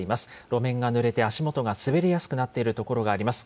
路面がぬれて足元が滑りやすくなっている所があります。